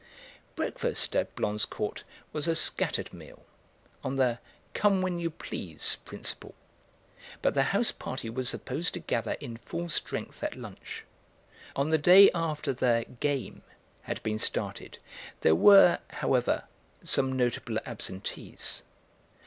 Breakfast at Blonzecourt was a scattered meal, on the "come when you please" principle, but the house party was supposed to gather in full strength at lunch. On the day after the "Game" had been started there were, however, some notable absentees.